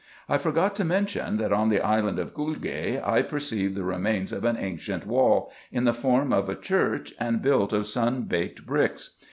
I forgot to mention that on the island Gulge I perceived the remains of an ancient wall, in the form of a church, and built of sun baked bricks.